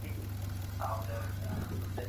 د مېز لاندي یو پخوانی کتاب پاته دی.